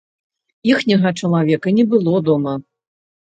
Іхняга чалавека не было дома.